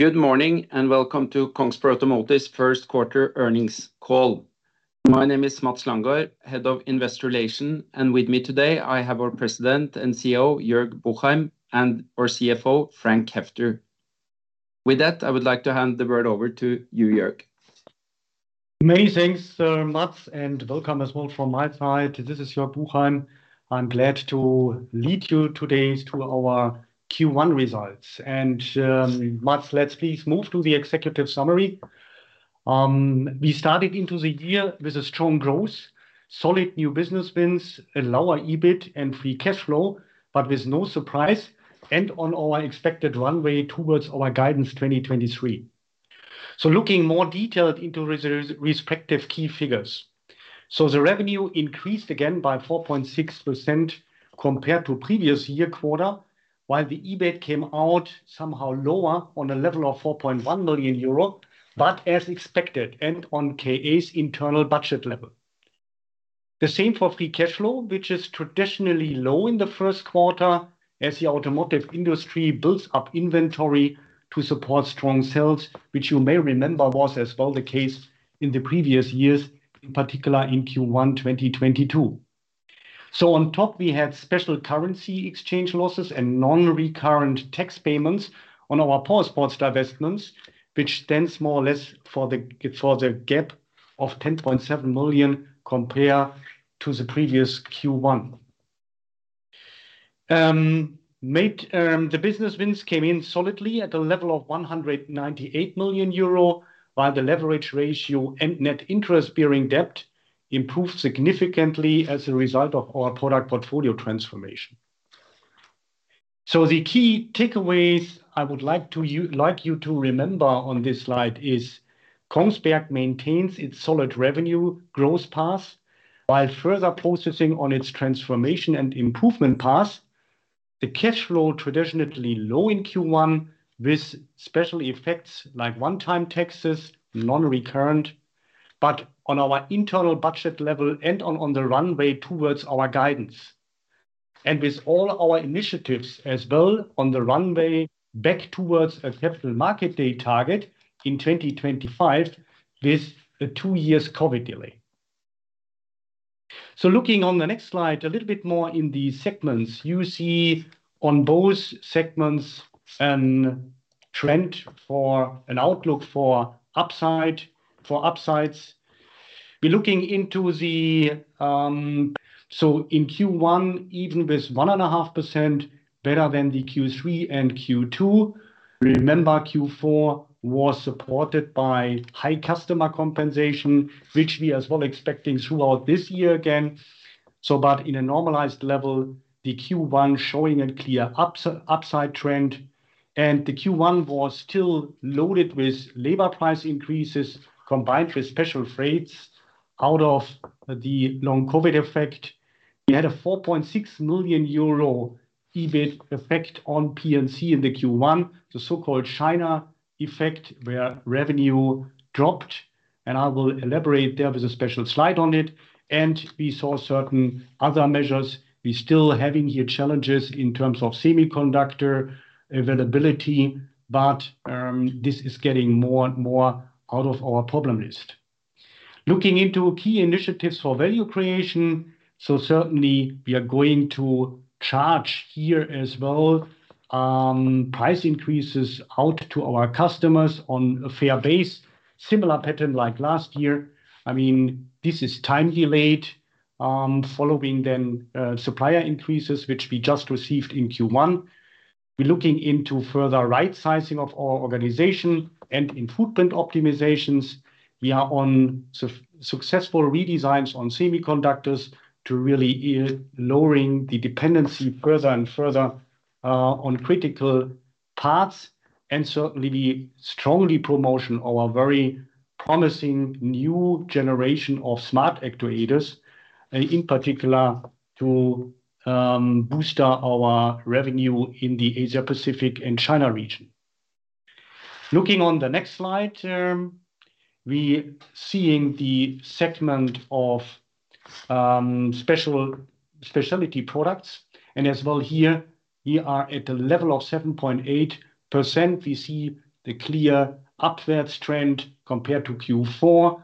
Good morning, and welcome to Kongsberg Automotive's first quarter earnings call. My name is Mads Langaard, Head of Investor Relations. With me today I have our President and CEO, Jörg Buchheim, and our CFO, Frank Heffter. With that, I would like to hand the word over to you, Jörg. Many thanks, Mads, and welcome as well from my side. This is Jörg Buchheim. I'm glad to lead you today to our Q1 results. Mads, let's please move to the executive summary. We started into the year with a strong growth, solid new business wins, a lower EBIT and free cashflow, but with no surprise and on our expected runway towards our guidance 2023. Looking more detailed into respective key figures. The revenue increased again by 4.6% compared to previous year quarter, while the EBIT came out somehow lower on a level of 4.1 million euro, but as expected, and on KA's internal budget level. The same for free cashflow, which is traditionally low in the first quarter as the automotive industry builds up inventory to support strong sales, which you may remember was as well the case in the previous years, in particular, in Q1 2022. On top we had special currency exchange losses and non-recurrent tax payments on our Powersports divestments, which stands more or less for the gap of 10.7 million compared to the previous Q1. The business wins came in solidly at a level of 198 million euro, while the leverage ratio and net interest-bearing debt improved significantly as a result of our product portfolio transformation. The key takeaways I would like you to remember on this slide is Kongsberg maintains its solid revenue growth path while further processing on its transformation and improvement path. The cashflow traditionally low in Q1 with special effects like one-time taxes, non-recurrent, but on our internal budget level and on the runway towards our guidance. With all our initiatives as well on the runway back towards a Capital Markets Day target in 2025, with a two years COVID delay. Looking on the next slide a little bit more in the segments. You see on both segments an trend for an outlook for upside, for upsides. We're looking into the... In Q1, even with 1.5% better than the Q3 and Q2, remember Q4 was supported by high customer compensation, which we as well expecting throughout this year again. In a normalized level, the Q1 showing a clear upside trend, and the Q1 was still loaded with labor price increases combined with special freights out of the long COVID effect. We had a 4.6 million euro EBIT effect on P&C in the Q1, the so-called China effect, where revenue dropped, and I will elaborate. There was a special slide on it. We saw certain other measures. We're still having here challenges in terms of semiconductor availability, but this is getting more and more out of our problem list. Looking into key initiatives for value creation. Certainly we are going to charge here as well, price increases out to our customers on a fair base. Similar pattern like last year. I mean, this is time delayed, following then, supplier increases, which we just received in Q1. We're looking into further right-sizing of our organization and in footprint optimizations. We are on successful redesigns on semiconductors to really lowering the dependency further and further on critical paths, and certainly we strongly promotion our very promising new generation of smart actuators in particular to boost our revenue in the Asia-Pacific and China region. Looking on the next slide, we seeing the segment of Specialty Products. As well here, we are at a level of 7.8%. We see the clear upwards trend compared to Q4.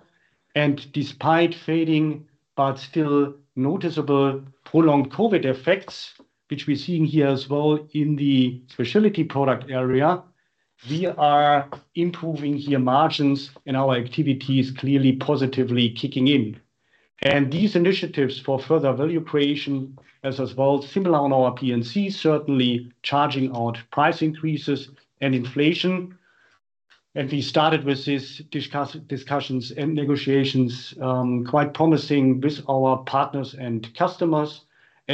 Despite fading, but still noticeable prolonged COVID effects, which we're seeing here as well in the Specialty Products area, we are improving here margins and our activity is clearly positively kicking in. These initiatives for further value creation as well similar on our P&C, certainly charging out price increases and inflation. We started with these discussions and negotiations, quite promising with our partners and customers.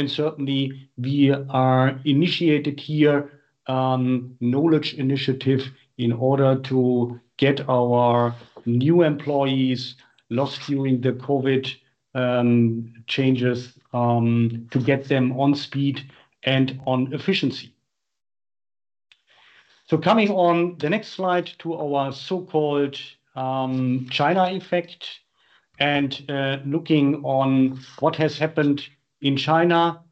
Certainly we are initiated here, knowledge initiative in order to get our new employees lost during the COVID changes, to get them on speed and on efficiency. Coming on the next slide to our so-called China effect, looking on what has happened in China.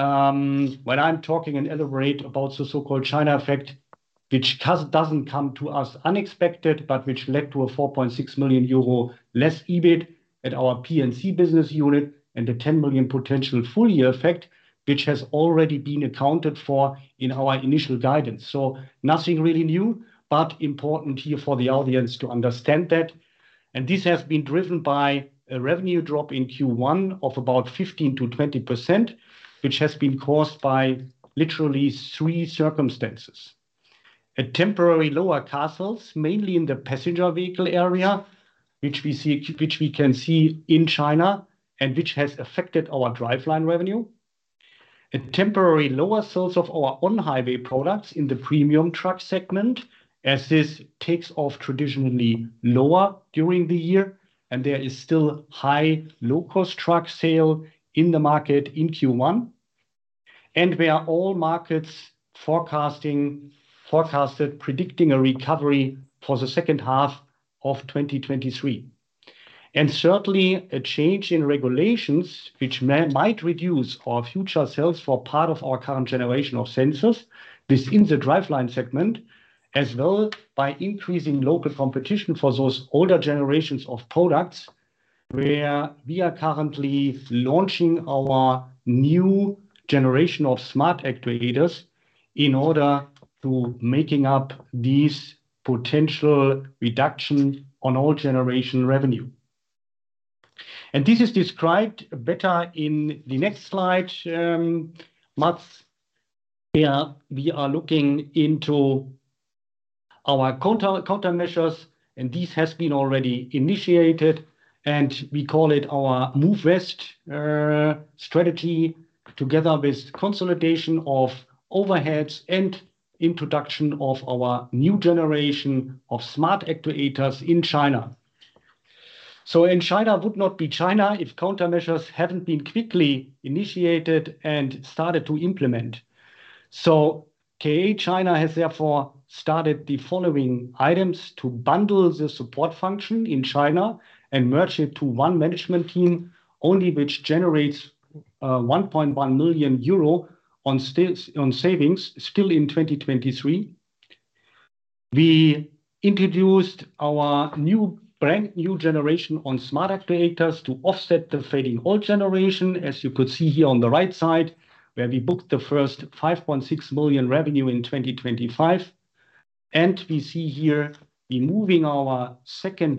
When I'm talking and elaborate about the so-called China effect, which doesn't come to us unexpected, but which led to a €4.6 million less EBIT at our P&C business unit and a 10 million potential full year effect, which has already been accounted for in our initial guidance. Nothing really new, but important here for the audience to understand that. This has been driven by a revenue drop in Q1 of about 15%-20%, which has been caused by literally three circumstances. A temporary lower volumes, mainly in the passenger vehicle area, which we can see in China and which has affected our Driveline revenue. A temporary lower sales of our On-Highway products in the premium truck segment, as this takes off traditionally lower during the year, and there is still high low-cost truck sale in the market in Q1. We are all markets forecasted predicting a recovery for the second half of 2023. Certainly, a change in regulations which might reduce our future sales for part of our current generation of sensors. This in the Driveline segment, as well by increasing local competition for those older generations of products, where we are currently launching our new generation of smart actuators in order to making up these potential reduction on all generation revenue. This is described better in the next slide, Mads. Here we are looking into our countermeasures, and this has been already initiated, and we call it our move west strategy together with consolidation of overheads and introduction of our new generation of smart actuators in China. China would not be China if countermeasures hadn't been quickly initiated and started to implement. KA China has therefore started the following items to bundle the support function in China and merge it to one management team only which generates 1.1 million euro on savings still in 2023. We introduced our brand new generation on smart actuators to offset the fading old generation, as you could see here on the right side, where we booked the first 5.6 million revenue in 2025. We see here we moving our second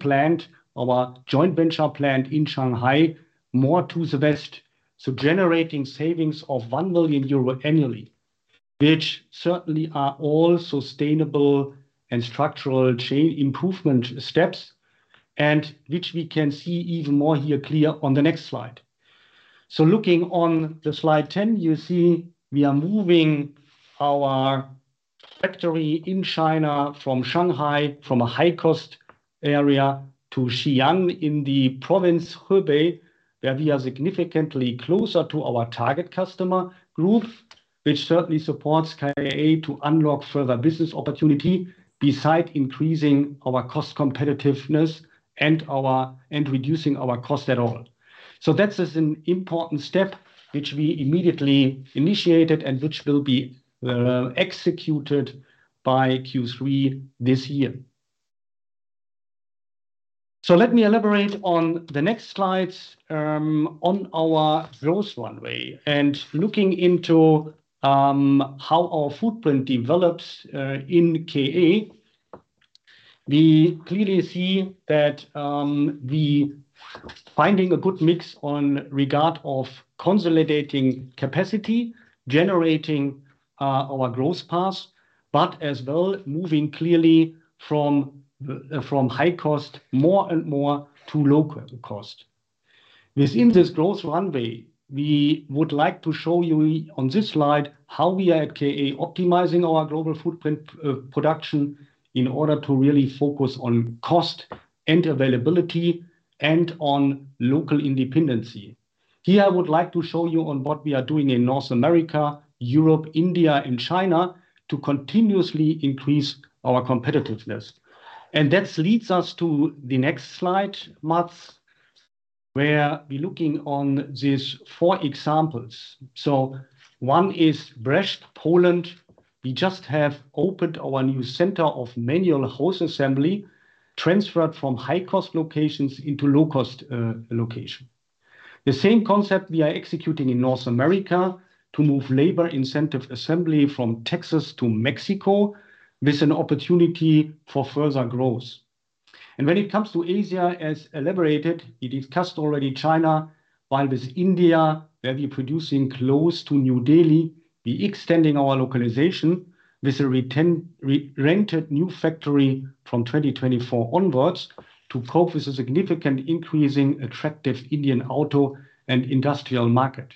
plant, our joint venture plant in Shanghai, more to the west, so generating savings of 1 million euro annually, which certainly are all sustainable and structural change improvement steps. Which we can see even more here clear on the next slide. Looking on the slide 10, you see we are moving our factory in China from Shanghai, from a high-cost area to Xi'an in the province, Hubei, where we are significantly closer to our target customer group, which certainly supports KA to unlock further business opportunity beside increasing our cost competitiveness and reducing our cost at all. That's as an important step which we immediately initiated and which will be executed by Q3 this year. Let me elaborate on the next slides on our growth runway. Looking into how our footprint develops in KA, we clearly see that we finding a good mix on regard of consolidating capacity, generating our growth path, but as well moving clearly from high cost more and more to low cost. Within this growth runway, we would like to show you on this slide how we are at KA optimizing our global footprint, production in order to really focus on cost and availability and on local independency. Here I would like to show you on what we are doing in North America, Europe, India and China to continuously increase our competitiveness. That leads us to the next slide, Mads, where we looking on these four examples. One is Brzeszcze, Poland. We just have opened our new center of manual hose assembly, transferred from high-cost locations into low-cost location. The same concept we are executing in North America to move labor incentive assembly from Texas to Mexico with an opportunity for further growth. When it comes to Asia, as elaborated, we discussed already China. While with India, where we're producing close to New Delhi, we extending our localization with a re-rented new factory from 2024 onwards to cope with the significant increase in attractive Indian auto and industrial market.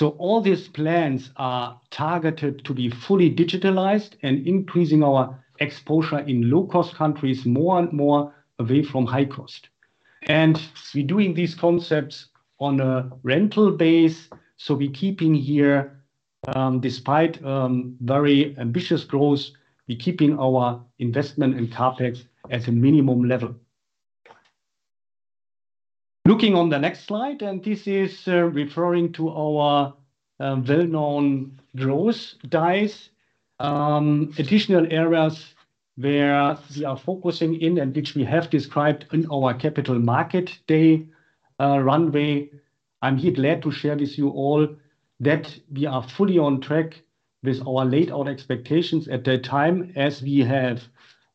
All these plans are targeted to be fully digitalized and increasing our exposure in low-cost countries more and more away from high cost. We doing these concepts on a rental base, so we keeping here, despite very ambitious growth, we're keeping our investment and CapEx at a minimum level. Looking on the next slide, and this is referring to our well-known growth drivers. Additional areas where we are focusing in and which we have described in our Capital Markets Day runway. I'm here glad to share with you all that we are fully on track with our laid out expectations at that time as we have,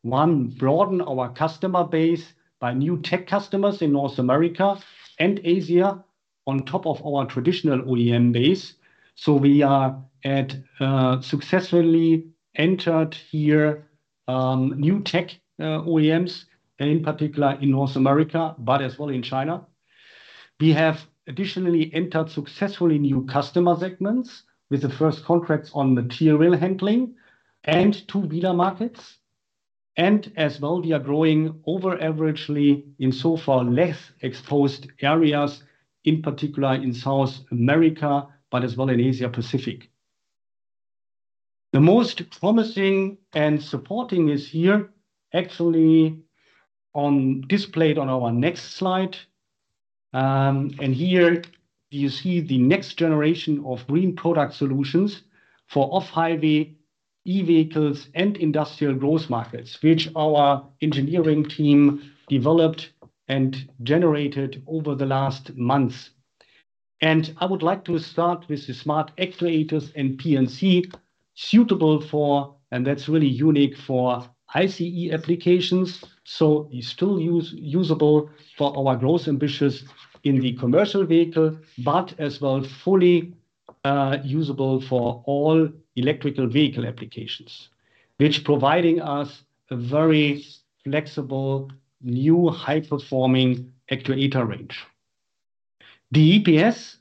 one, broadened our customer base by new tech customers in North America and Asia on top of our traditional OEM base. We are at successfully entered here new tech OEMs, and in particular in North America, but as well in China. We have additionally entered successfully new customer segments with the first contracts on material handling and two wheeler markets. As well, we are growing over averagely in so far less exposed areas, in particular in South America, but as well in Asia Pacific. The most promising and supporting is here actually displayed on our next slide. Here you see the next generation of green product solutions for Off-Highway e-vehicles and industrial growth markets, which our engineering team developed and generated over the last months. I would like to start with the smart actuators and P&C suitable for, and that's really unique for ICE applications. It's still usable for our growth ambitions in the commercial vehicle, but as well fully usable for all electrical vehicle applications, which providing us a very flexible, new high-performing actuator range. The EPS,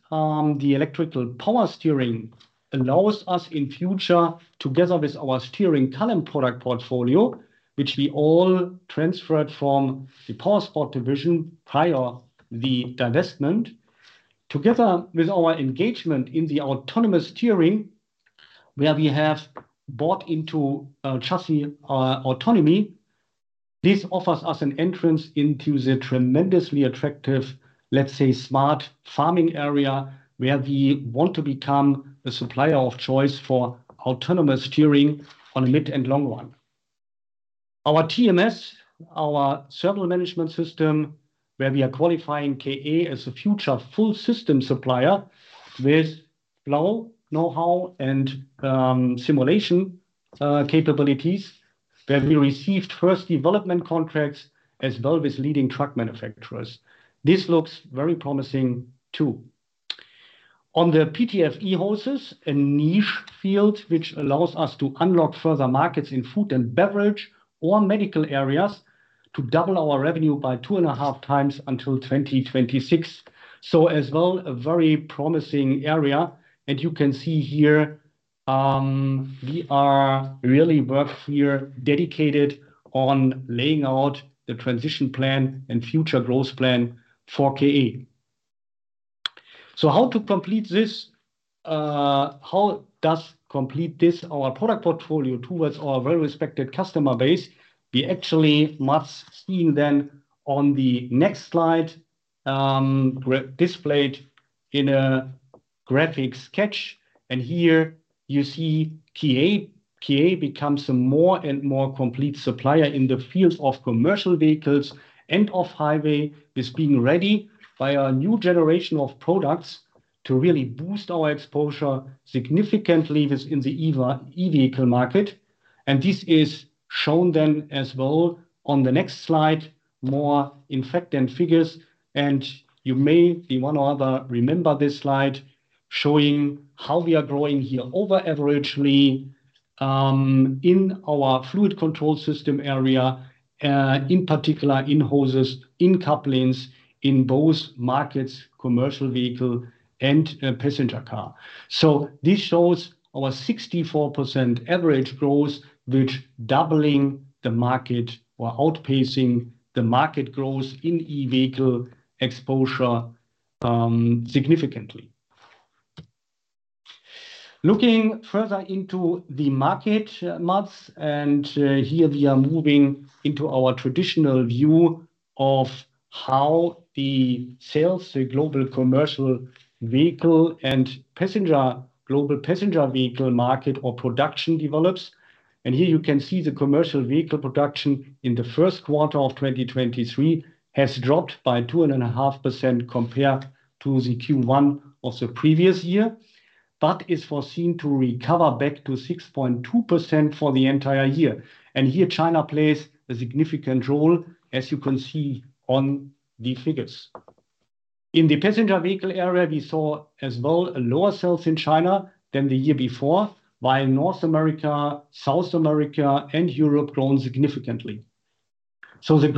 Electric Power Steering allows us in future, together with our steering column product portfolio, which we all transferred from the Powersports division prior the divestment, together with our engagement in the autonomous steering, where we have bought into Chassis Autonomy. This offers us an entrance into the tremendously attractive, let's say, smart farming area, where we want to become the supplier of choice for autonomous steering on a mid and long run. Our TMS, our thermal management system, where we are qualifying KE as a future full system supplier with flow, know-how and simulation capabilities, where we received first development contracts as well with leading truck manufacturers. This looks very promising too. On the PTFE hoses, a niche field which allows us to unlock further markets in food and beverage or medical areas to double our revenue by two and a half times until 2026. As well, a very promising area. You can see here, we are really work here dedicated on laying out the transition plan and future growth plan for KE. How to complete this? How does complete this our product portfolio towards our well-respected customer base? We actually must see then on the next slide displayed in a graphic sketch. Here you see KE. KE becomes a more and more complete supplier in the fields of commercial vehicles and Off-Highway, with being ready by our new generation of products to really boost our exposure significantly in the e-vehicle market. This is shown then as well on the next slide, more in fact and figures. You may, the one or other, remember this slide, showing how we are growing here over averagely in our fluid controlled system area, in particular in hoses, in couplings, in both markets, commercial vehicle and passenger car. This shows our 64% average growth, which doubling the market or outpacing the market growth in e-vehicle exposure significantly. Looking further into the market maps, here we are moving into our traditional view of how the sales, the global commercial vehicle and global passenger vehicle market or production develops. You can see the commercial vehicle production in the first quarter of 2023 has dropped by 2.5% compared to the Q1 of the previous year, but is foreseen to recover back to 6.2% for the entire year. China plays a significant role, as you can see on the figures. In the passenger vehicle area, we saw as well a lower sales in China than the year before, while North America, South America and Europe grown significantly. The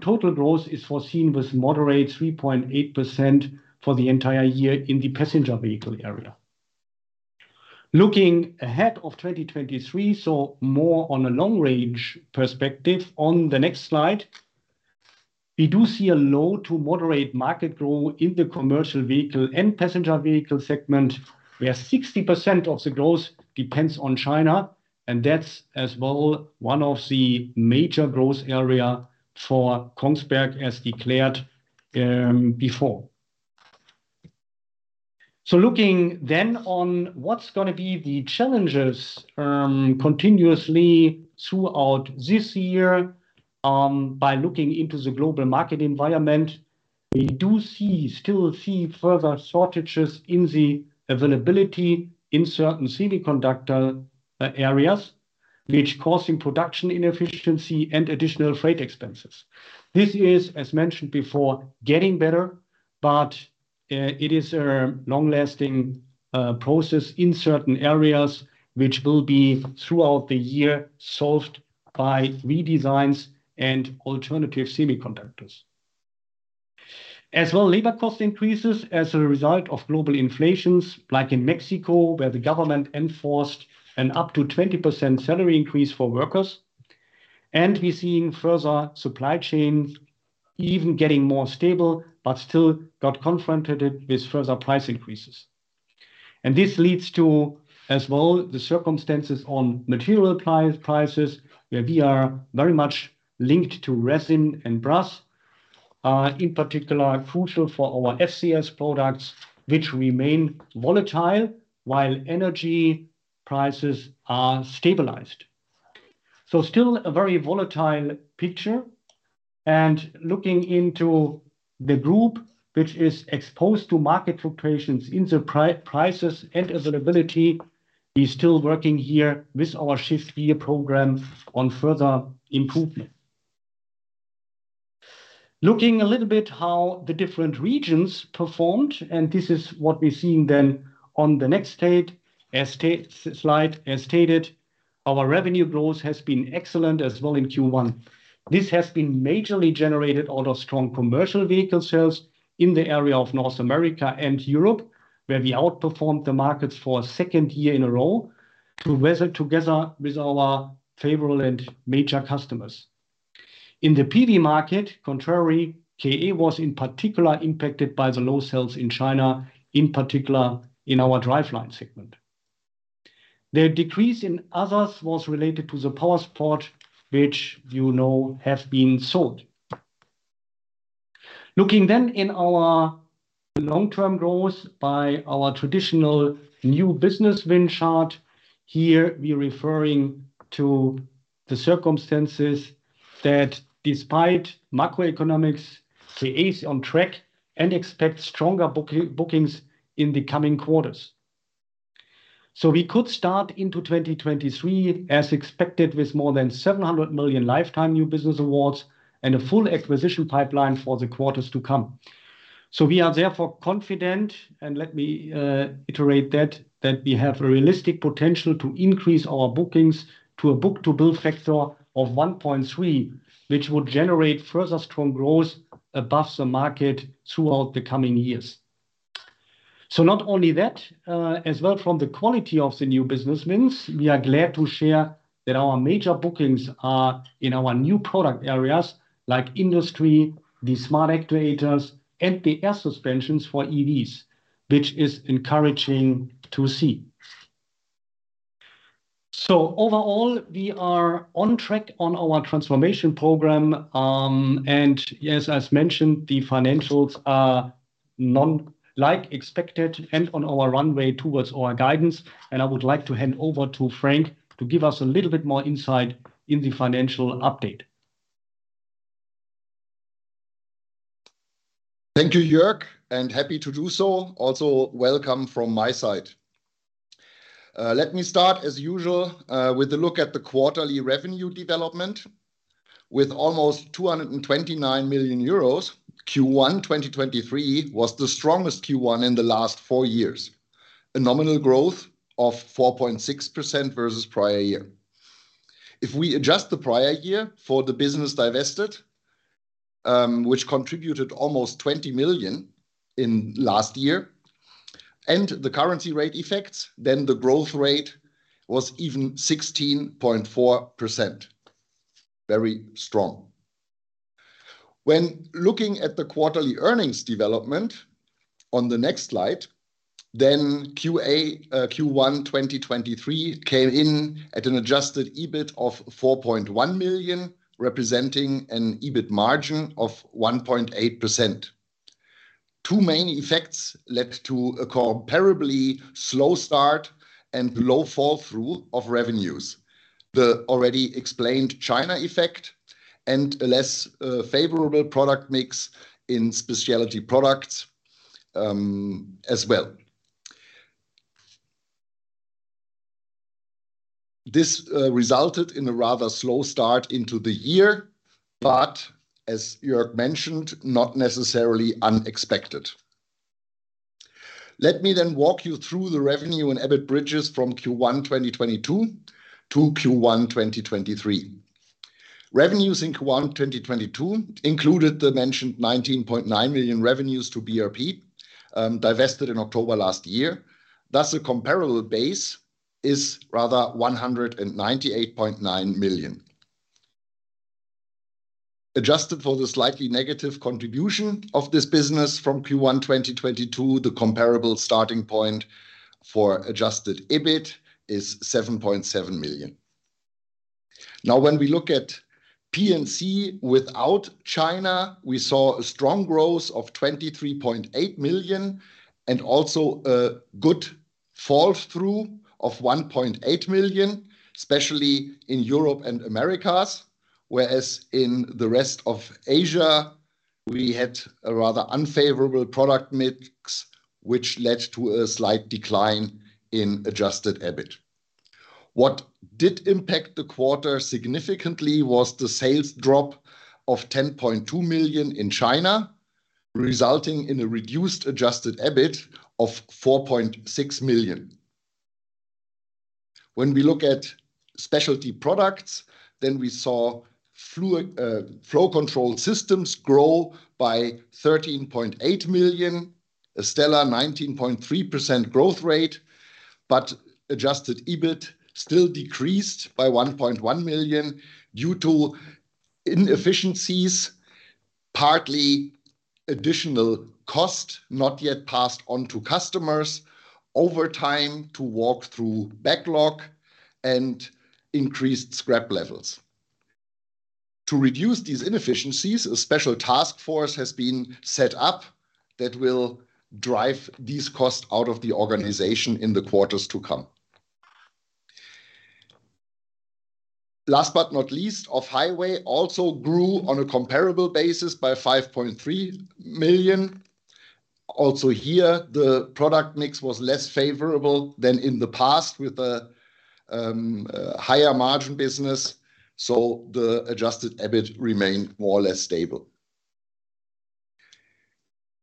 total growth is foreseen with moderate 3.8% for the entire year in the passenger vehicle area. Looking ahead of 2023, so more on a long-range perspective on the next slide. We do see a low to moderate market growth in the commercial vehicle and passenger vehicle segment, where 60% of the growth depends on China, and that's as well one of the major growth area for Kongsberg as declared before. Looking then on what's going to be the challenges continuously throughout this year, by looking into the global market environment, we still see further shortages in the availability in certain semiconductor areas, which causing production inefficiency and additional freight expenses. This is, as mentioned before, getting better, but it is a long-lasting process in certain areas which will be, throughout the year, solved by redesigns and alternative semiconductors. As well, labor cost increases as a result of global inflations, like in Mexico, where the government enforced an up to 20% salary increase for workers. We're seeing further supply chain even getting more stable, but still got confronted with further price increases. This leads to, as well, the circumstances on material prices, where we are very much linked to resin and brass, in particular crucial for our FCS products, which remain volatile, while energy prices are stabilized. Still a very volatile picture. Looking into the group which is exposed to market fluctuations in the prices and availability, we're still working here with our Shift Gear program on further improvement. Looking a little bit how the different regions performed, and this is what we're seeing then on the next slide. As stated, our revenue growth has been excellent as well in Q1. This has been majorly generated out of strong commercial vehicle sales in the area of North America and Europe, where we outperformed the markets for a second year in a row to weather together with our favorable and major customers. In the PV market, contrary, KA was in particular impacted by the low sales in China, in particular in our Driveline segment. The decrease in others was related to the Powersports, which you know have been sold. Looking in our long-term growth by our traditional new business win chart, here we're referring to the circumstances that despite macroeconomics, we're is on track and expect stronger bookings in the coming quarters. We could start into 2023 as expected, with more than 700 million lifetime new business awards and a full acquisition pipeline for the quarters to come. We are therefore confident, and let me iterate that we have a realistic potential to increase our bookings to a book-to-bill factor of 1.3, which would generate further strong growth above the market throughout the coming years. Not only that, as well from the quality of the new business wins, we are glad to share that our major bookings are in our new product areas, like industry, the smart actuators, and the air suspension for EVs, which is encouraging to see. Overall, we are on track on our transformation program, and yes, as mentioned, the financials are like expected and on our runway towards our guidance. I would like to hand over to Frank to give us a little bit more insight in the financial update. Thank you, Jörg, and happy to do so. Also, welcome from my side. Let me start as usual with a look at the quarterly revenue development. With almost 229 million euros, Q1 2023 was the strongest Q1 in the last four years. A nominal growth of 4.6% versus prior year. If we adjust the prior year for the business divested, which contributed almost 20 million in last year, and the currency rate effects, then the growth rate was even 16.4%. Very strong. When looking at the quarterly earnings development on the next slide, then KA Q1 2023 came in at an adjusted EBIT of 4.1 million, representing an EBIT margin of 1.8%. Two main effects led to a comparably slow start and low fall through of revenues. The already explained China effect and a less favorable product mix in Specialty Products as well. This resulted in a rather slow start into the year, but as Jörg mentioned, not necessarily unexpected. Let me walk you through the revenue and EBIT bridges from Q1 2022 to Q1 2023. Revenues in Q1 2022 included the mentioned 19.9 million revenues to BRP divested in October last year. A comparable base is rather 198.9 million. Adjusted for the slightly negative contribution of this business from Q1 2022, the comparable starting point for adjusted EBIT is 7.7 million. When we look at P&C without China, we saw a strong growth of 23.8 million and also a good fall through of 1.8 million, especially in Europe and Americas. Whereas in the rest of Asia, we had a rather unfavorable product mix, which led to a slight decline in adjusted EBIT. What did impact the quarter significantly was the sales drop of 10.2 million in China, resulting in a reduced adjusted EBIT of 4.6 million. When we look at Specialty Products, then we saw Flow Control Systems grow by 13.8 million. A stellar 19.3% growth rate, adjusted EBIT still decreased by 1.1 million due to inefficiencies, partly additional cost not yet passed on to customers, over time to walk through backlog and increased scrap levels. To reduce these inefficiencies, a special task force has been set up that will drive these costs out of the organization in the quarters to come. Last but not least, Off-Highway also grew on a comparable basis by 5.3 million. Also here, the product mix was less favorable than in the past with a higher margin business, the adjusted EBIT remained more or less stable.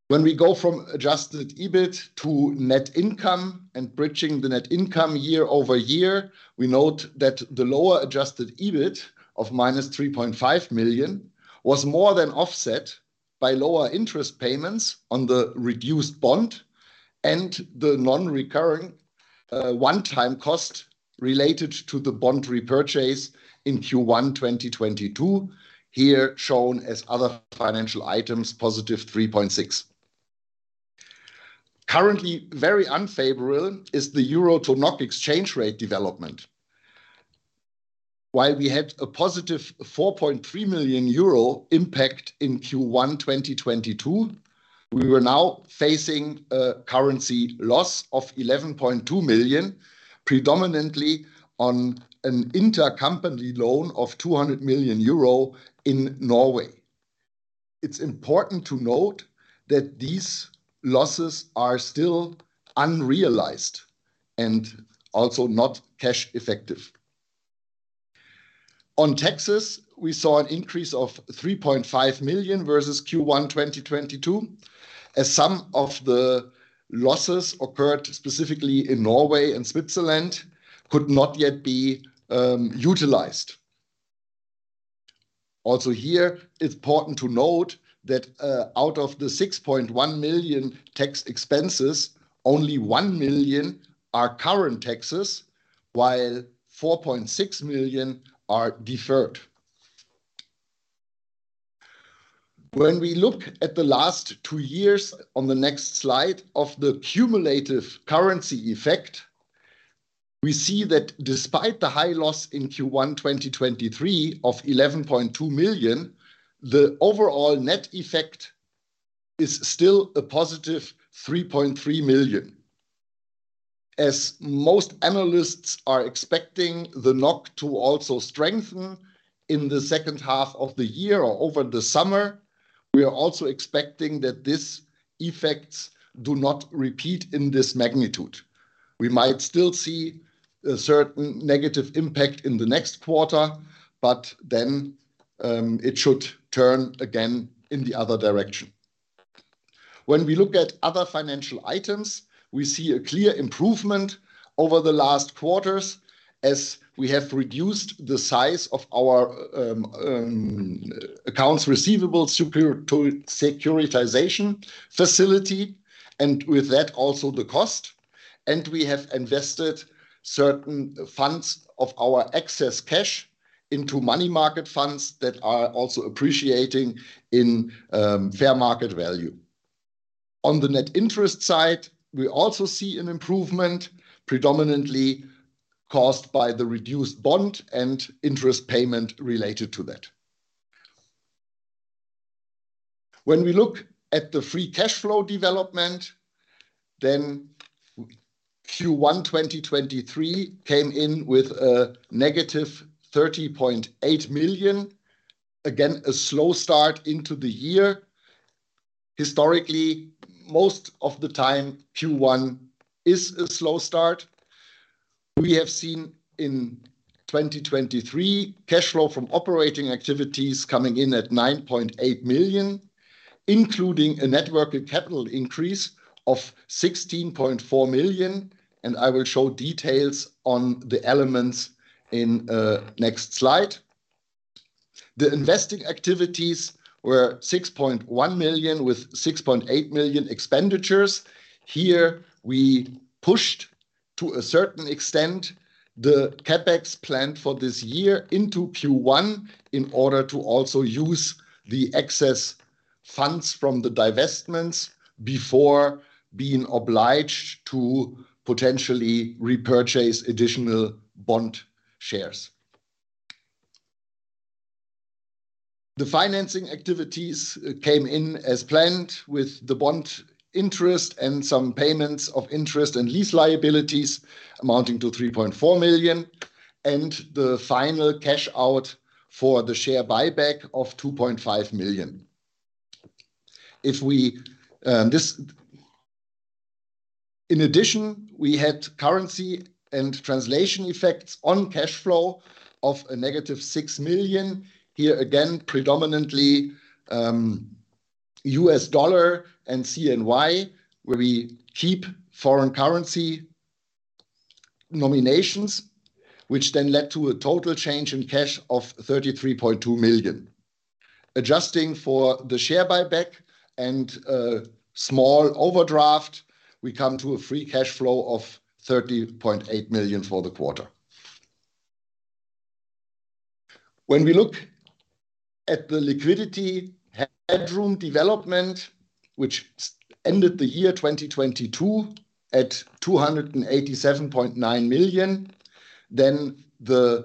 Going from adjusted EBIT to net income and bridging the net income year-over-year, we note that the lower adjusted EBIT of minus 3.5 million was more than offset by lower interest payments on the reduced bond and the non-recurring one-time cost related to the bond repurchase in Q1 2022, here shown as other financial items, positive 3.6. Very unfavorable is the euro to NOK exchange rate development. While we had a positive 4.3 million euro impact in Q1 2022, we are now facing a currency loss of 11.2 million, predominantly on an intercompany loan of 200 million euro in Norway. It's important to note that these losses are still unrealized and also not cash effective. On taxes, we saw an increase of 3.5 million versus Q1 2022, as some of the losses occurred specifically in Norway and Switzerland could not yet be utilized. Here, it's important to note that out of the 6.1 million tax expenses, only 1 million are current taxes, while 4.6 million are deferred. When we look at the last two years on the next slide of the cumulative currency effect, we see that despite the high loss in Q1 2023 of 11.2 million, the overall net effect is still a positive 3.3 million. As most analysts are expecting the NOK to also strengthen in the second half of the year or over the summer, we are also expecting that these effects do not repeat in this magnitude. We might still see a certain negative impact in the next quarter, then it should turn again in the other direction. When we look at other financial items, we see a clear improvement over the last quarters as we have reduced the size of our accounts receivable superior securitization facility, and with that, also the cost. We have invested certain funds of our excess cash into money market funds that are also appreciating in fair market value. On the net interest side, we also see an improvement, predominantly caused by the reduced bond and interest payment related to that. We look at the free cash flow development, then Q1, 2023 came in with a negative 30.8 million. Again, a slow start into the year. Historically, most of the time, Q1 is a slow start. We have seen in 2023, cash flow from operating activities coming in at 9.8 million, including a net working capital increase of 16.4 million, and I will show details on the elements in next slide. The investing activities were 6.1 million with 6.8 million expenditures. Here we pushed, to a certain extent, the CapEx plan for this year into Q1 in order to also use the excess funds from the divestments before being obliged to potentially repurchase additional bond shares. The financing activities came in as planned with the bond interest and some payments of interest and lease liabilities amounting to 3.4 million, and the final cash out for the share buyback of EUR 2.5 million. In addition, we had currency and translation effects on cash flow of a negative 6 million. Here again, predominantly, US dollar and CNY, where we keep foreign currency nominations, which then led to a total change in cash of 33.2 million. Adjusting for the share buyback and a small overdraft, we come to a free cash flow of 30.8 million for the quarter. When we look at the liquidity headroom development, which ended the year 2022 at 287.9 million, the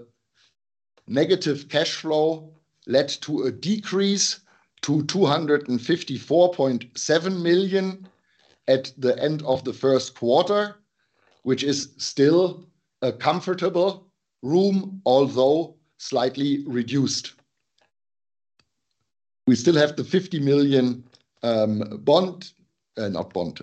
negative cashflow led to a decrease to 254.7 million at the end of the first quarter, which is still a comfortable room, although slightly reduced. We still have the 50 million bond, not bond.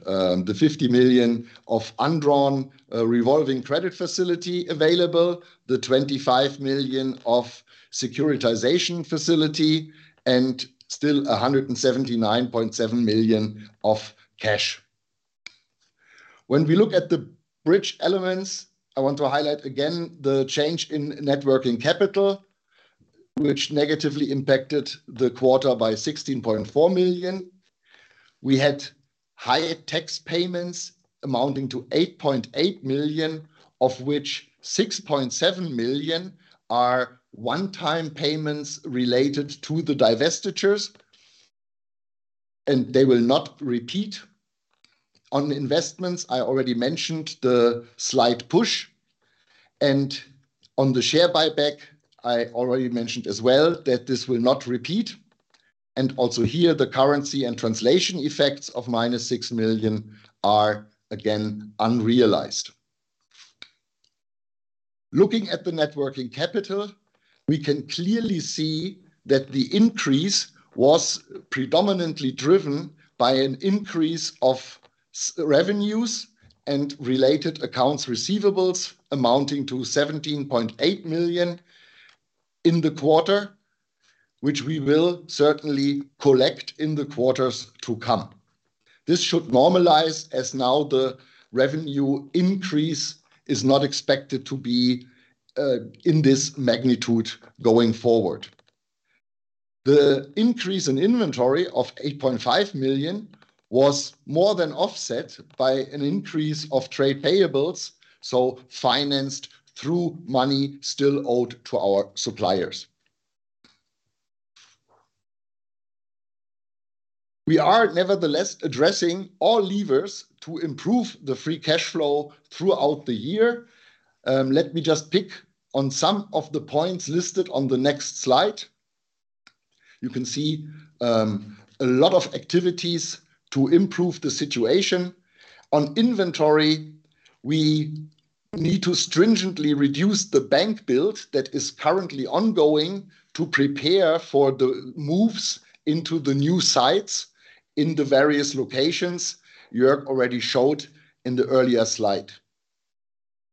The 50 million of undrawn revolving credit facility available, the 25 million of securitization facility, and still 179.7 million of cash. When we look at the bridge elements, I want to highlight again the change in net working capital, which negatively impacted the quarter by 16.4 million. We had higher tax payments amounting to 8.8 million, of which 6.7 million are one-time payments related to the divestitures, and they will not repeat. On investments, I already mentioned the slight push. On the share buyback, I already mentioned as well that this will not repeat. Also here, the currency and translation effects of minus 6 million are again unrealized. Looking at the net working capital, we can clearly see that the increase was predominantly driven by an increase of revenues and related accounts receivable amounting to 17.8 million in the quarter, which we will certainly collect in the quarters to come. This should normalize as now the revenue increase is not expected to be in this magnitude going forward. The increase in inventory of 8.5 million was more than offset by an increase of trade payables, so financed through money still owed to our suppliers. We are nevertheless addressing all levers to improve the free cash flow throughout the year. Let me just pick on some of the points listed on the next slide. You can see a lot of activities to improve the situation. On inventory, we need to stringently reduce the bank build that is currently ongoing to prepare for the moves into the new sites in the various locations Jorg already showed in the earlier slide.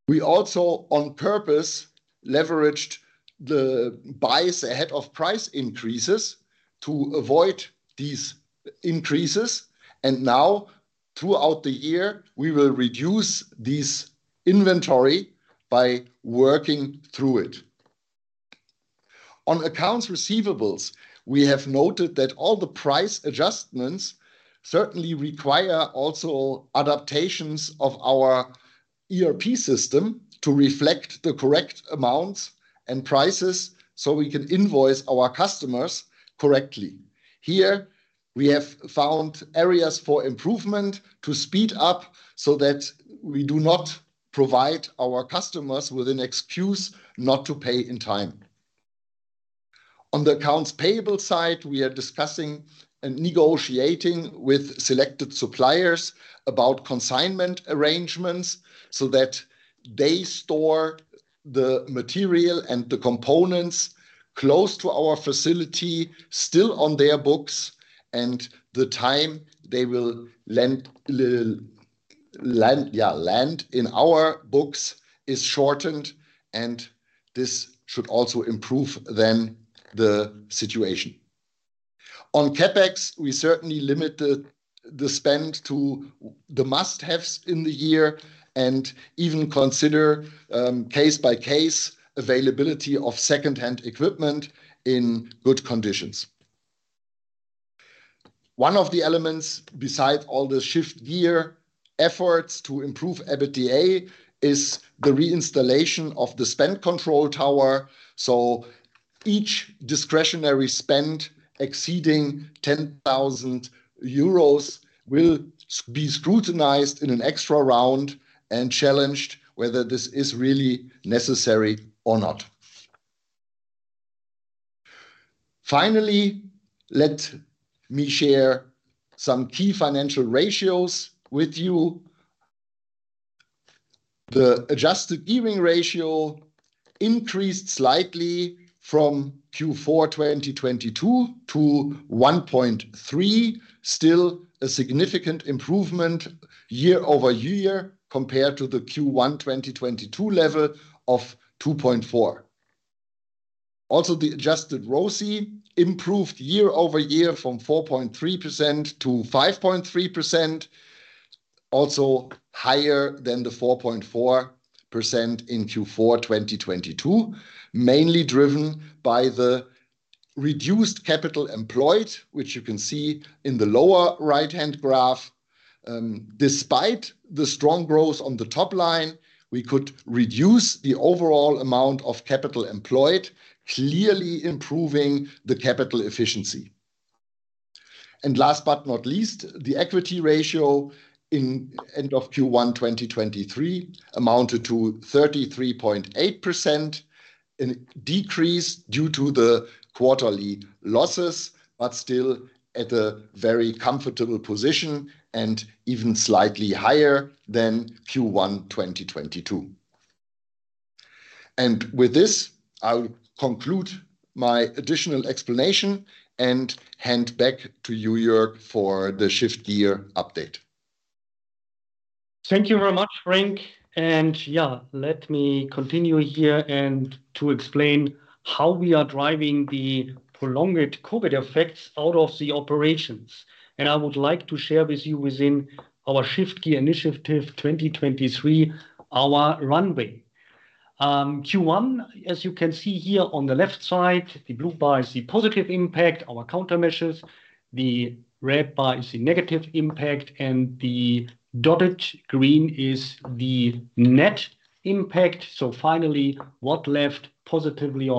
We also, on purpose, leveraged the buys ahead of price increases to avoid these increases. Now, throughout the year, we will reduce this inventory by working through it. On accounts receivables, we have noted that all the price adjustments certainly require also adaptations of our ERP system to reflect the correct amounts and prices so we can invoice our customers correctly. Here, we have found areas for improvement to speed up so that we do not provide our customers with an excuse not to pay in time. On the accounts payable side, we are discussing and negotiating with selected suppliers about consignment arrangements, so that they store the material and the components close to our facility, still on their books, and the time they will lend in our books is shortened, and this should also improve the situation. On CapEx, we certainly limit the spend to the must-haves in the year and even consider case-by-case availability of secondhand equipment in good conditions. One of the elements besides all the Shift Gear efforts to improve EBITDA is the reinstallation of the spend control tower. Each discretionary spend exceeding 10,000 euros will be scrutinized in an extra round and challenged whether this is really necessary or not. Finally, let me share some key financial ratios with you. The adjusted earnings ratio increased slightly from Q4 2022 to 1.3, still a significant improvement year-over-year compared to the Q1 2022 level of 2.4. Also, the adjusted ROCE improved year-over-year from 4.3% to 5.3%, also higher than the 4.4% in Q4 2022, mainly driven by the reduced capital employed, which you can see in the lower right-hand graph. Despite the strong growth on the top line, we could reduce the overall amount of capital employed, clearly improving the capital efficiency. Last but not least, the equity ratio in end of Q1 2023 amounted to 33.8%. A decrease due to the quarterly losses, but still at a very comfortable position and even slightly higher than Q1 2022. With this, I'll conclude my additional explanation and hand back to you, Jörg, for the Shift Gear update. Thank you very much, Frank. Yeah, let me continue here and to explain how we are driving the prolonged COVID effects out of the operations. I would like to share with you within our Shift Gear 2023, our runway. Q1, as you can see here on the left side, the blue bar is the positive impact, our countermeasures, the red bar is the negative impact, and the dotted green is the net impact. Finally, what left positively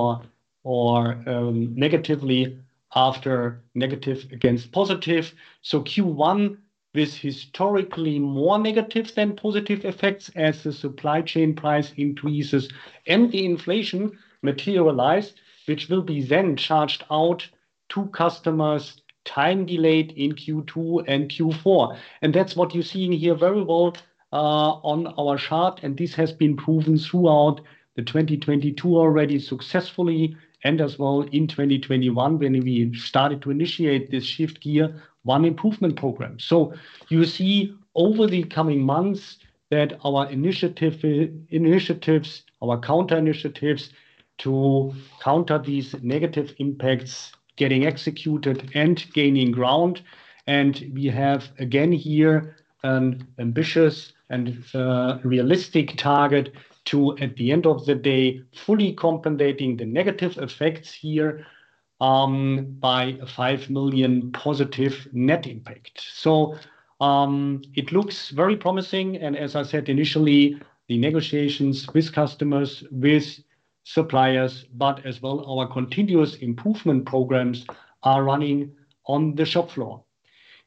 or negatively after negative against positive. Q1, with historically more negative than positive effects as the supply chain price increases and the inflation materialized, which will be then charged out to customers time delayed in Q2 and Q4. That's what you see in here very well on our chart. This has been proven throughout 2022 already successfully and as well in 2021 when we started to initiate this Shift Gear I improvement program. You see over the coming months that our initiatives, our counter initiatives to counter these negative impacts getting executed and gaining ground. We have again here an ambitious and realistic target to at the end of the day, fully compensating the negative effects here by a 5 million positive net impact. It looks very promising and as I said initially, the negotiations with customers, with suppliers, but as well our continuous improvement programs are running on the shop floor.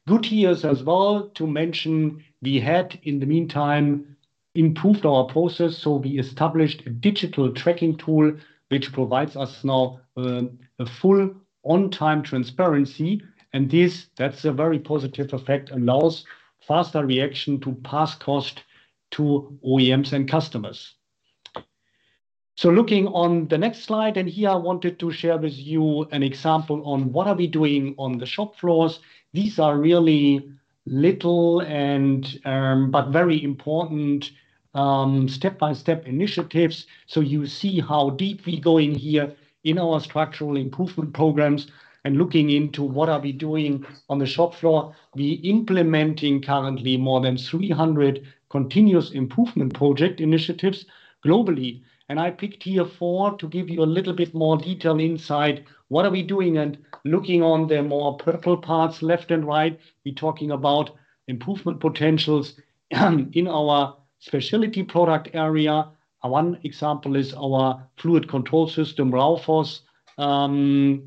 Good here as well to mention we had in the meantime improved our process, so we established a digital tracking tool which provides us now a full on time transparency. This, that's a very positive effect, allows faster reaction to pass cost to OEMs and customers. Looking on the next slide, here I wanted to share with you an example on what are we doing on the shop floors. These are really little and, but very important, step-by-step initiatives. You see how deep we go in here in our structural improvement programs and looking into what are we doing on the shop floor. We implementing currently more than 300 continuous improvement project initiatives globally. I picked here four to give you a little bit more detailed insight, what are we doing and looking on the more purple parts left and right, we talking about improvement potentials in our Specialty Products area. One example is our Flow Control Systems, Raufoss,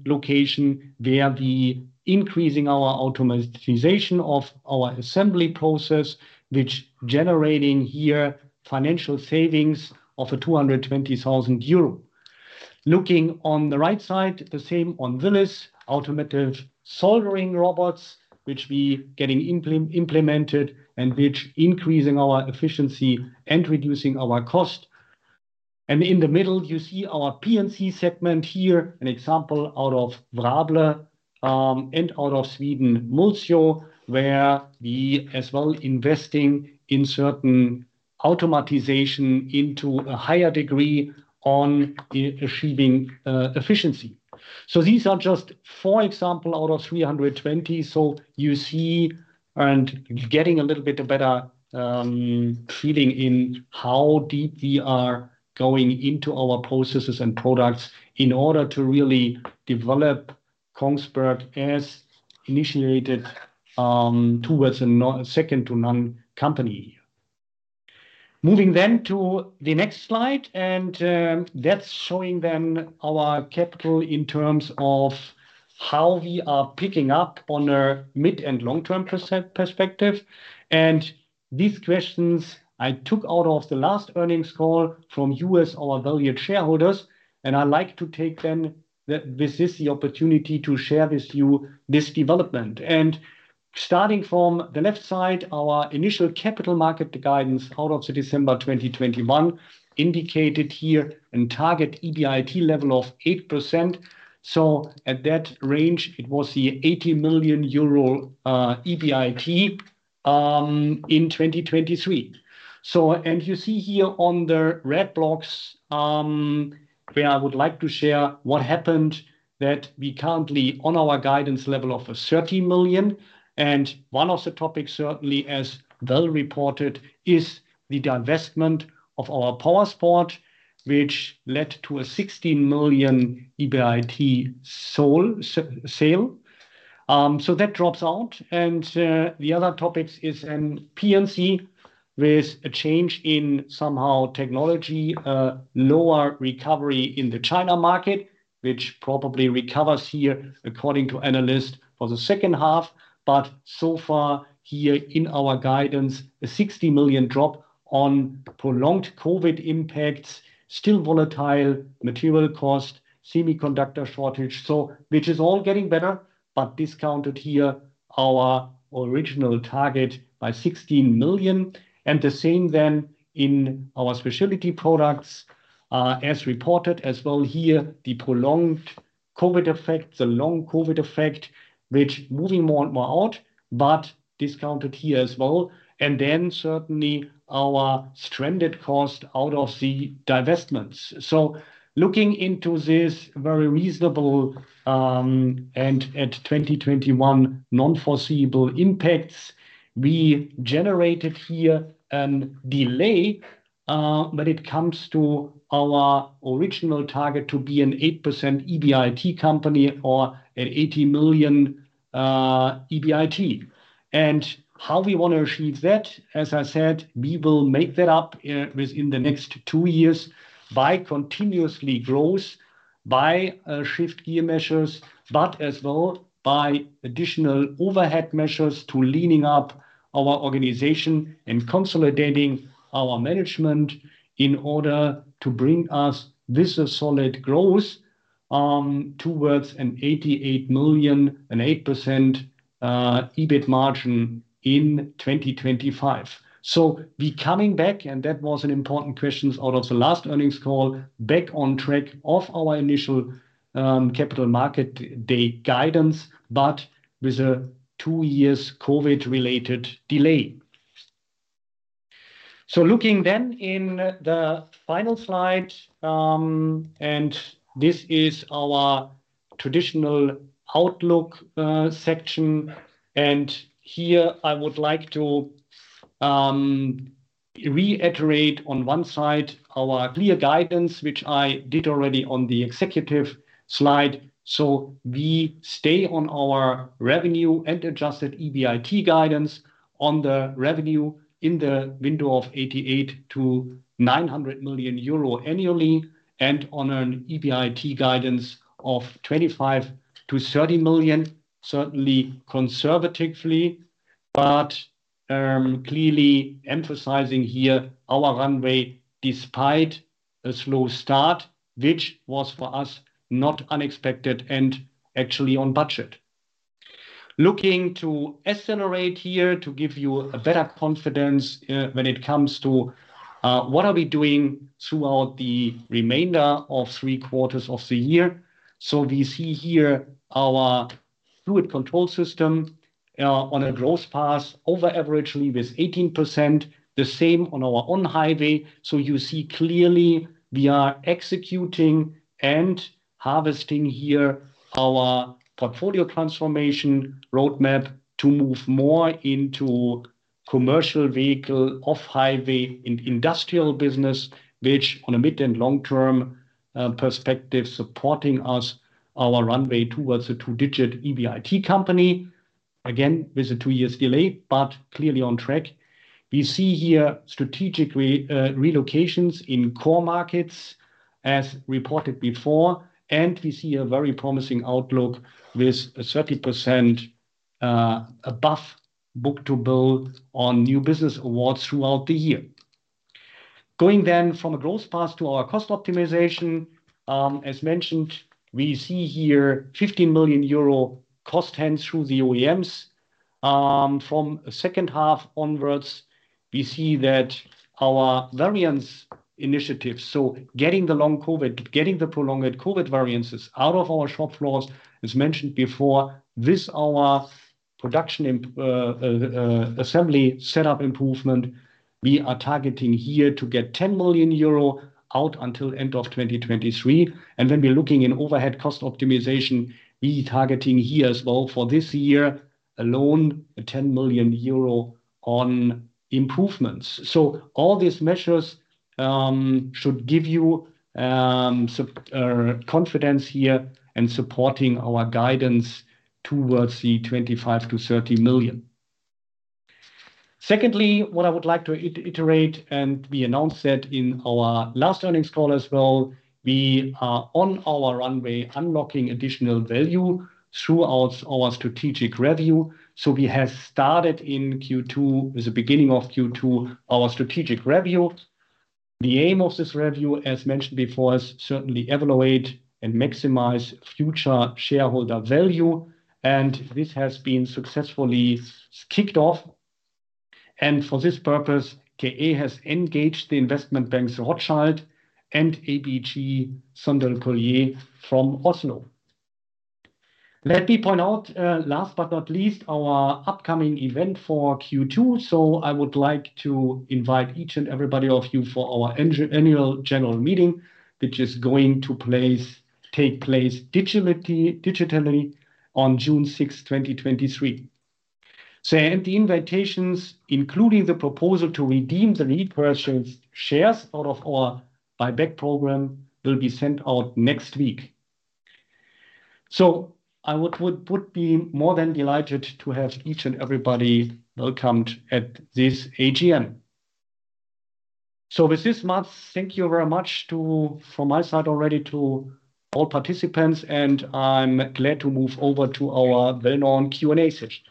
location, where we increasing our automatization of our assembly process, which generating here financial savings of 220,000 euro. Looking on the right side, the same on Willis automated soldering robots, which we getting implemented and which increasing our efficiency and reducing our cost. In the middle, you see our P&C segment here, an example out of Vráble, and out of Sweden, Mullsjö, where we as well investing in automatization into a higher degree on achieving efficiency. These are just, for example, out of 320. You see, and getting a little bit better feeling in how deep we are going into our processes and products in order to really develop Kongsberg as initiated towards a second to none company. Moving then to the next slide, and that's showing then our capital in terms of how we are picking up on a mid and long-term perspective. These questions I took out of the last earnings call from you as our valued shareholders, and I like to take then this is the opportunity to share with you this development. Starting from the left side, our initial capital market guidance out of the December 2021 indicated here a target EBIT level of 8%. At that range, it was the 80 million euro EBIT in 2023. You see here on the red blocks, where I would like to share what happened that we currently on our guidance level of a 30 million. One of the topics, certainly as well reported, is the divestment of our Powersports, which led to a 16 million EBIT sale. That drops out. The other topics is in P&C, with a change in somehow technology, lower recovery in the China market, which probably recovers here according to analyst for the second half. So far here in our guidance, a 60 million drop on prolonged COVID impacts, still volatile material cost, semiconductor shortage. Which is all getting better, but discounted here our original target by 16 million. The same then in our Specialty Products, as reported as well here, the prolonged COVID effect, the long COVID effect, which moving more and more out, but discounted here as well. Then certainly our stranded cost out of the divestments. Looking into this very reasonable, and at 2021 non-foreseeable impacts, we generated here a delay when it comes to our original target to be an 8% EBIT company or an 80 million EBIT. How we wanna achieve that, as I said, we will make that up within the next 2 years by continuously growth, by Shift Gear measures, but as well by additional overhead measures to leaning up our organization and consolidating our management in order to bring us this solid growth towards an 88 million and 8% EBIT margin in 2025. We coming back, and that was an important questions out of the last earnings call, back on track of our initial Capital Markets Day guidance, but with a 2 years COVID-related delay. Looking then in the final slide, this is our traditional outlook section. Here I would like to reiterate on one side our clear guidance, which I did already on the executive slide. We stay on our revenue and adjusted EBIT guidance on the revenue in the window of 88 million-900 million euro annually, and on an EBIT guidance of 25 million-30 million, certainly conservatively. Clearly emphasizing here our runway despite a slow start, which was for us not unexpected and actually on budget. Looking to accelerate here to give you a better confidence when it comes to what are we doing throughout the remainder of three quarters of the year. We see here our Flow Control Systems on a growth path over averagely with 18%, the same on our On-Highway. You see clearly we are executing and harvesting here our portfolio transformation roadmap to move more into commercial vehicle, Off-Highway, in industrial business, which on a mid and long term perspective supporting us our runway towards a two-digit EBIT company, again, with a 2 years delay, but clearly on track. We see here strategically relocations in core markets as reported before, and we see a very promising outlook with a 30% above book-to-bill on new business awards throughout the year. Going from a growth path to our cost optimization, as mentioned, we see here 15 million euro cost hands through the OEMs. From second half onwards, we see that our variance initiatives, so getting the long COVID, getting the prolonged COVID variances out of our shop floors, as mentioned before, with our Production assembly set up improvement, we are targeting here to get 10 million euro out until end of 2023. When we're looking in overhead cost optimization, we're targeting here as well for this year alone, 10 million euro on improvements. All these measures should give you confidence here in supporting our guidance towards the 25 million-30 million. Secondly, what I would like to iterate, and we announced that in our last earnings call as well, we are on our runway unlocking additional value throughout our strategic review. We have started in Q2, the beginning of Q2, our strategic review. The aim of this review, as mentioned before, is certainly evaluate and maximize future shareholder value, this has been successfully kicked off. For this purpose, KA has engaged the investment banks Rothschild and ABG Sundal Collier from Oslo. Let me point out, last but not least, our upcoming event for Q2. I would like to invite each and everybody of you for our annual Annual General Meeting, which is going to take place digitally on June 6, 2023. The invitations, including the proposal to redeem the treasury shares out of our buyback program, will be sent out next week. I would be more than delighted to have each and everybody welcomed at this AGM. With this, Mads, thank you very much from my side already to all participants, and I'm glad to move over to our well-known Q&A session.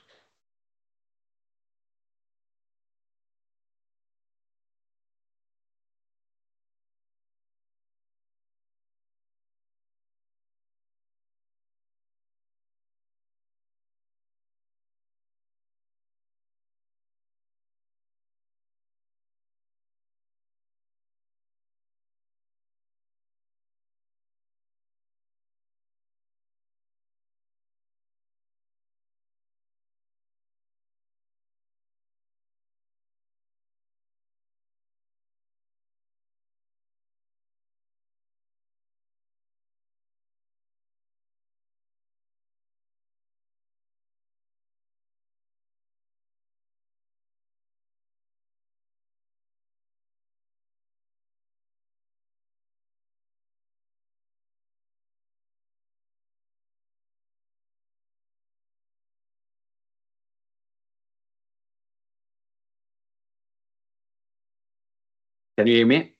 Can you hear me?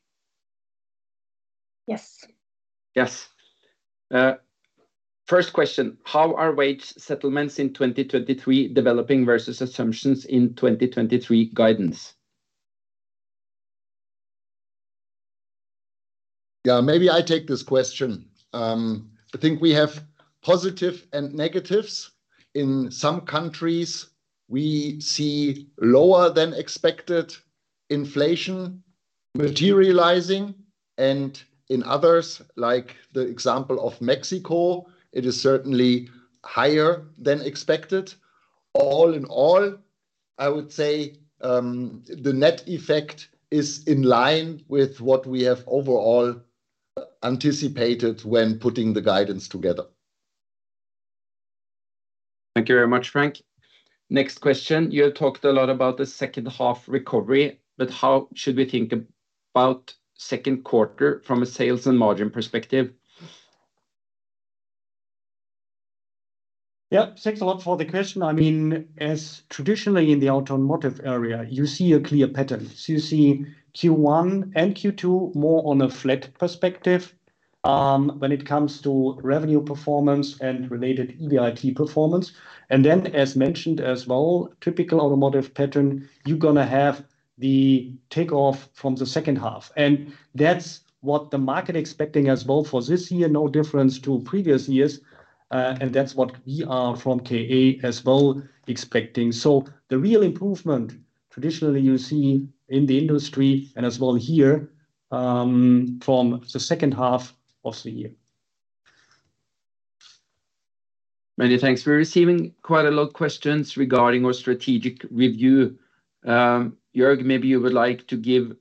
Yes. Yes. First question, how are wage settlements in 2023 developing versus assumptions in 2023 guidance? Yeah, maybe I take this question. I think we have positive and negatives. In some countries, we see lower than expected inflation materializing, and in others, like the example of Mexico, it is certainly higher than expected. All in all, I would say, the net effect is in line with what we have overall anticipated when putting the guidance together. Thank you very much, Frank. Next question. You talked a lot about the second half recovery, but how should we think about second quarter from a sales and margin perspective? Yeah, thanks a lot for the question. I mean, as traditionally in the automotive area, you see a clear pattern. You see Q1 and Q2 more on a flat perspective when it comes to revenue performance and related EBIT performance. Then as mentioned as well, typical automotive pattern, you're gonna have the take off from the second half. That's what the market expecting as well for this year, no difference to previous years, and that's what we are from KA as well expecting. The real improvement traditionally you see in the industry and as well here from the second half of the year. Many thanks. We're receiving quite a lot of questions regarding our strategic review. Jörg, maybe you would like to give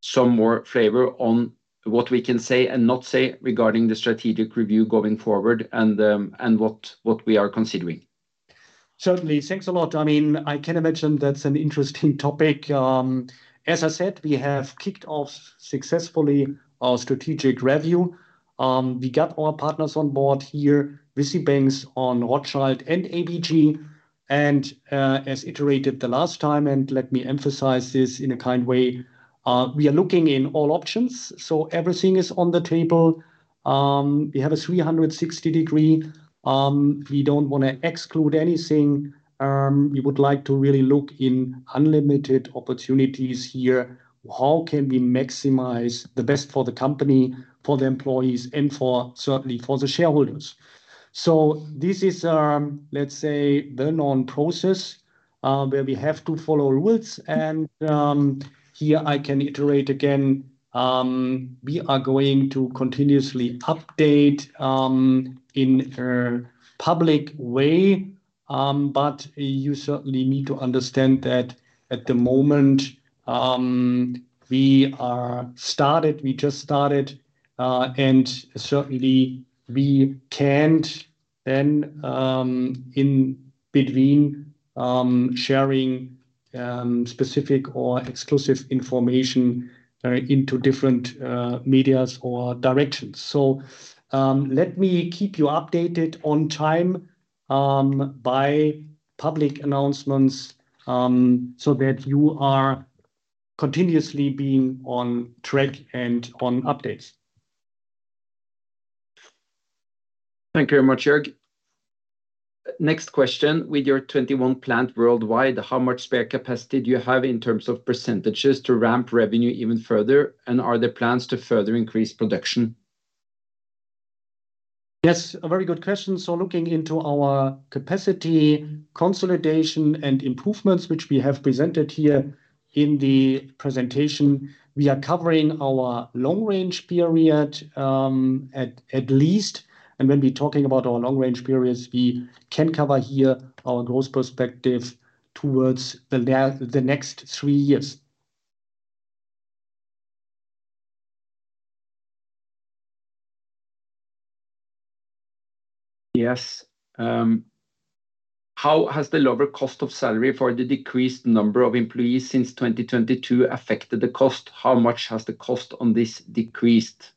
some more flavor on what we can say and not say regarding the strategic review going forward and what we are considering. Certainly. Thanks a lot. I mean, I can imagine that's an interesting topic. As I said, we have kicked off successfully our strategic review. We got our partners on board here, with the banks on Rothschild and ABG. As iterated the last time, and let me emphasize this in a kind way, we are looking in all options, so everything is on the table. We have a 360-degree. We don't wanna exclude anything. We would like to really look in unlimited opportunities here. How can we maximize the best for the company, for the employees, and for, certainly, for the shareholders? This is, let's say, the known process, where we have to follow rules and, here I can iterate again, we are going to continuously update, in a public way, but you certainly need to understand that at the moment, we are started. We just started, and certainly we can't then, in between, sharing, specific or exclusive information, into different, medias or directions. Let me keep you updated on time, by public announcements, so that you are continuously being on track and on updates. Thank you very much, Jörg. Next question. With your 21 plant worldwide, how much spare capacity do you have in terms of percentages to ramp revenue even further, and are there plans to further increase production? Yes, a very good question. Looking into our capacity consolidation and improvements, which we have presented here in the presentation, we are covering our long-range period at least. When we're talking about our long-range periods, we can cover here our growth perspective towards the next 3 years. How has the lower cost of salary for the decreased number of employees since 2022 affected the cost? How much has the cost on this decreased?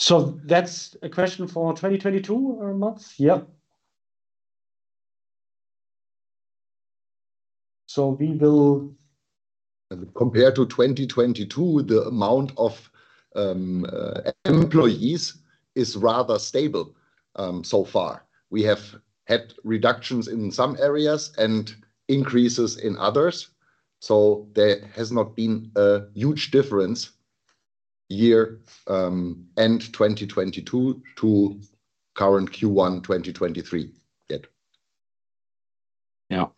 2022. That's a question for 2022, Mads? Yeah. we will- Compared to 2022, the amount of employees is rather stable so far. We have had reductions in some areas and increases in others, so there has not been a huge difference year end 2022 to current Q1, 2023 yet. Yeah.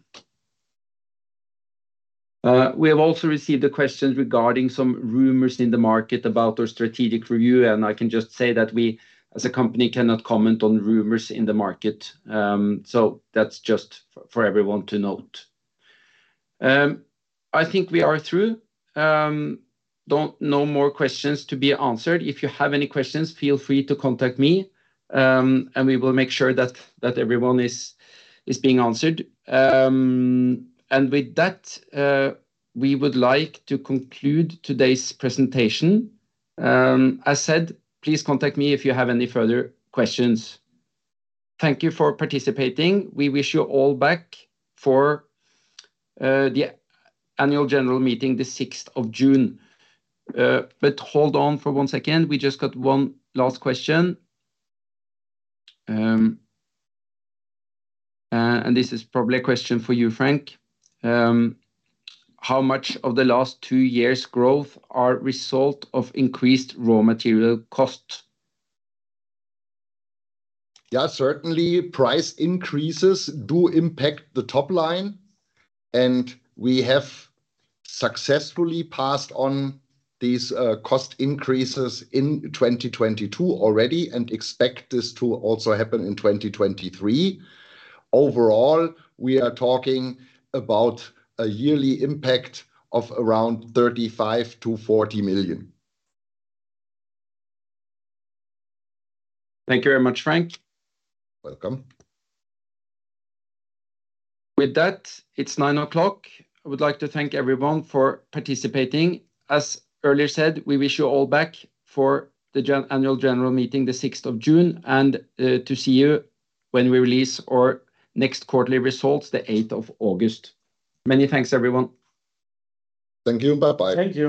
We have also received a question regarding some rumors in the market about our strategic review, and I can just say that we as a company cannot comment on rumors in the market. So that's just for everyone to note. I think we are through. No more questions to be answered. If you have any questions, feel free to contact me, and we will make sure that everyone is being answered. With that, we would like to conclude today's presentation. As said, please contact me if you have any further questions. Thank you for participating. We wish you all back for the annual general meeting, the sixth of June. Hold on for one second, we just got one last question. This is probably a question for you, Frank. How much of the last 2 years' growth are result of increased raw material cost? Certainly price increases do impact the top line, and we have successfully passed on these cost increases in 2022 already and expect this to also happen in 2023. Overall, we are talking about a yearly impact of around 35 million-40 million. Thank you very much, Frank. Welcome. With that, it's 9:00 A.M. I would like to thank everyone for participating. As earlier said, we wish you all back for the annual general meeting, the sixth of June, and to see you when we release our next quarterly res ults, the eighth of August. Many thanks, everyone. Thank you. Bye-bye. Thank you.